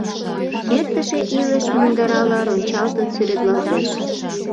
Эртыше илыш мундырала рончалтын сӱретлалтеш.